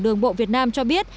đường bộ việt nam cho biết